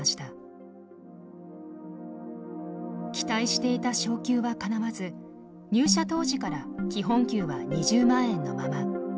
期待していた昇給はかなわず入社当時から基本給は２０万円のまま。